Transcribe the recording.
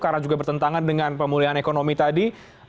karena juga bertentangan dengan pemulihan ekonomi tadi